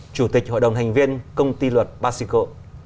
chủ tịch hội đồng hành viên công ty luật basico